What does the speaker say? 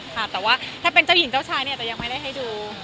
ค่ะแต่ว่าถ้าเป็นเจ้าหญิงเจ้าชายเนี่ยจะยังไม่ได้ให้ดู